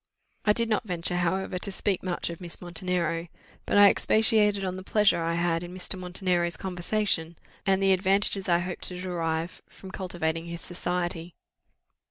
I did not venture, however, to speak much of Miss Montenero; but I expatiated on the pleasure I had in Mr. Montenero's conversation, and on the advantages I hoped to derive from cultivating his society.